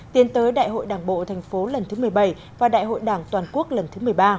tiến tới đại hội đảng bộ thành phố lần thứ một mươi bảy và đại hội đảng toàn quốc lần thứ một mươi ba